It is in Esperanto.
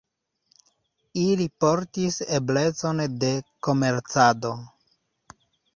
Ili portis eblecon de komercado.